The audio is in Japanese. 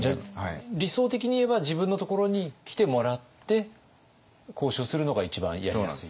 理想的に言えば自分のところに来てもらって交渉するのが一番やりやすい？